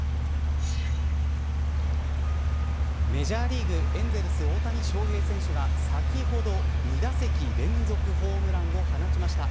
メジャーリーグエンゼルス、大谷翔平選手が先ほど２打席連続ホームランを放ちました。